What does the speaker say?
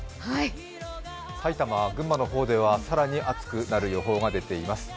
埼玉、群馬の方では更に暑くなる予報が出ています。